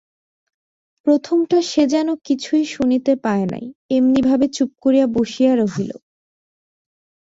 প্রথমটা, সে যেন কিছুই শুনিতে পায় নাই এমনিভাবে চুপ করিয়া বসিয়া রহিল।